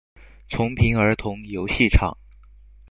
重平儿童游戏场